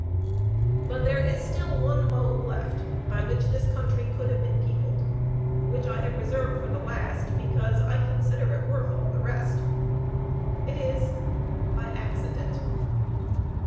But there is still one mode left by which this country could have been peopled, which I have reserved for the last, because I consider it worth all the rest; it is by accident!